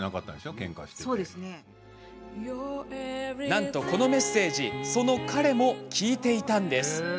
なんと、このメッセージその彼も聞いていたんです。